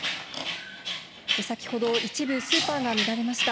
先ほど、一部スーパーが乱れました。